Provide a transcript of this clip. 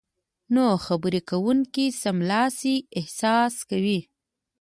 نو خبرې کوونکی سملاسي احساس کوي